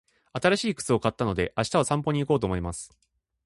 新しい靴を買ったので、明日は散歩に行こうと思います。